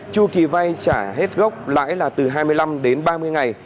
chu kỳ vai trả hết gốc lại là từ hai mươi năm đến ba mươi ngày